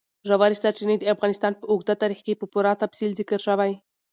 ژورې سرچینې د افغانستان په اوږده تاریخ کې په پوره تفصیل ذکر شوی.